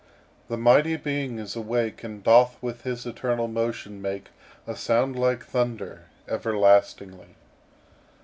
the mighty Being is awake, And doth with his eternal motion make A sound like thunder–everlastingly.